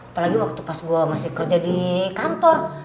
apalagi waktu pas gue masih kerja di kantor